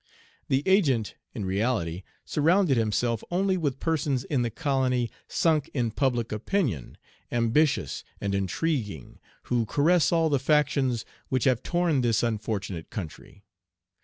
"The Agent, in reality, surrounded himself only with persons in the colony sunk in public opinion, ambitious and intriguing, who caress all the factions which have torn this unfortunate country.